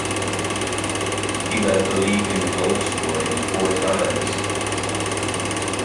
He led the league in goal scoring four times.